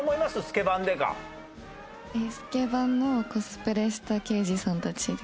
スケバンのコスプレした刑事さんたちですか？